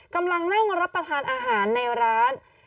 กำลังนั่งรับประทานอาหารในร้าน